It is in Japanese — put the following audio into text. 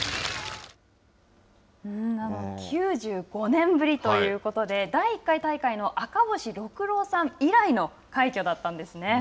９５年ぶりということで第１回大会の赤星六郎さん以来の快挙だったんですね。